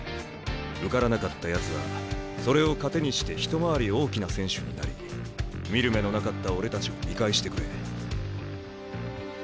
受からなかったやつはそれを糧にして一回り大きな選手になり見る目のなかった俺たちを見返してくれ。